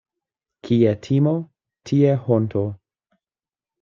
Kie timo, tie honto.